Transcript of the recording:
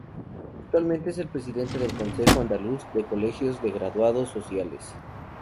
Actualmente es el Presidente del Consejo Andaluz de Colegios de Graduados Sociales.